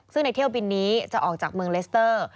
ซึ่งในเที่ยวบินนี้จะออกจากเมืองเลสเตอร์